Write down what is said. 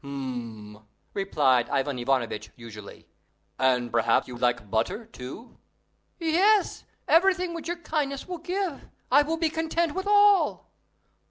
"Hm!" replied Ivan Ivanovitch usually, "and perhaps you would like butter too?" "Yes; everything which your kindness will give; I will be content with all."